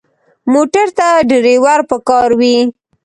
موټر ته ډرېور پکار وي.